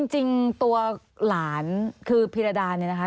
จริงตัวหลานคือพิรดาเนี่ยนะคะ